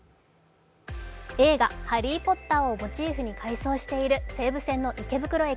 映画「ハリー・ポッター」をモチーフに改装している西武線の池袋駅。